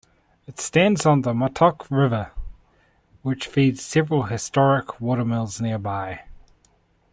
It stands on the Mattock River, which feeds several historic watermills nearby.